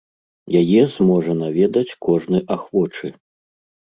Яе зможа наведаць кожны ахвочы.